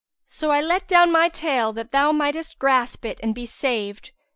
So I let down my tail, that thou mightest grasp it and be saved.